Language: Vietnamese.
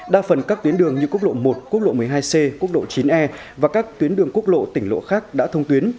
đa phần các tuyến đường như quốc lộ một quốc lộ một mươi hai c quốc độ chín e và các tuyến đường quốc lộ tỉnh lộ khác đã thông tuyến